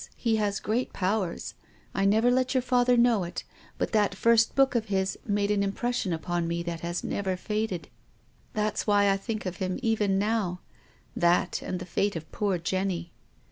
He has great powers. I never let your father know it, but that first book of his made an impression upon me that has never faded. That's why I think of him even now — that and the fate of poor Jenny."